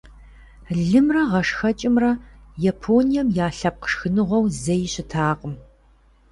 Лымрэ гъэшхэкӀымрэ Японием я лъэпкъ шхыныгъуэу зэи щытакъым.